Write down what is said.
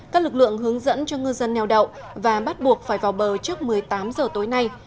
các lực lượng hướng dẫn cho ngư dân neo đậu và bắt buộc phải vào bờ trước một mươi tám giờ tối nay